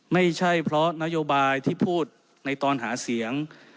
ไม่ใช่เพราะนโยบายที่พูดในตอนหาเสียง